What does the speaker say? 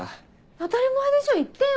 当たり前でしょ言ってよ！